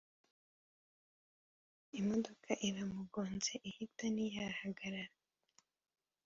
imodoka iramugnze ihita ntiyahagarara